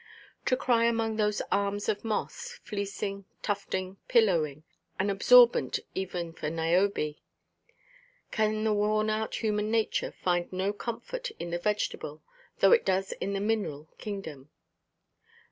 To cry among those arms of moss, fleecing, tufting, pillowing, an absorbent even for Niobe! Can the worn–out human nature find no comfort in the vegetable, though it does in the mineral, kingdom?